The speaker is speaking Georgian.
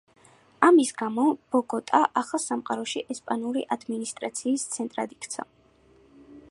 ამის გამო ბოგოტა ახალ სამყაროში ესპანური ადმინისტრაციის ცენტრად იქცა.